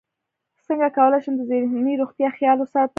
څنګه کولی شم د ذهني روغتیا خیال وساتم